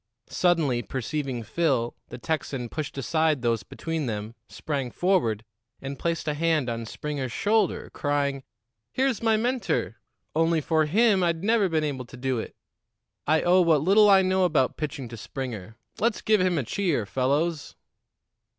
Suddenly perceiving Phil, the Texan pushed aside those between them, sprang forward and placed a hand on Springer's shoulder, crying: "Here's my mentor. Only for him, I'd never been able to do it. I owe what little I know about pitching to Springer. Let's give him a cheer, fellows."